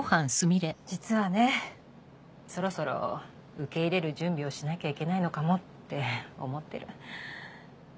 実はねそろそろ受け入れる準備をしなきゃいけないのかもって思ってる。